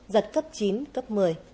giật cấp chín cấp một mươi